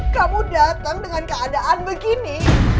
kamu datang dengan keadaan begini